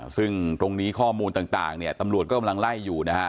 ซึ่งตรงนี้ข้อมูลต่างเนี่ยตำรวจก็กำลังไล่อยู่นะฮะ